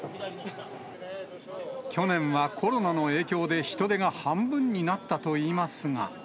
去年はコロナの影響で人出が半分になったといいますが。